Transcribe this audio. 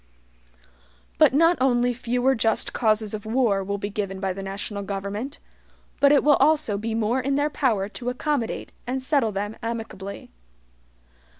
But not only fewer just causes of war will be given by the national government, but it will also be more in their power to accommodate and settle them amicably.